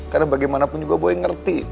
karena bagaimanapun juga boy ngerti